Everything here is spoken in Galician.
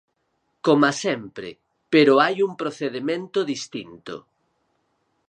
Coma sempre, pero hai un procedemento distinto.